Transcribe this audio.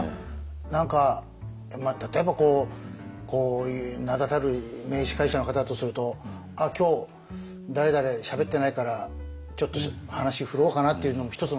何か例えばこうこういう名だたる名司会者の方だとすると「あっ今日誰々しゃべってないからちょっと話振ろうかな」っていうのも一つの気遣いじゃないですか。